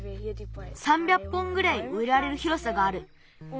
３００本ぐらいうえられるひろさがある。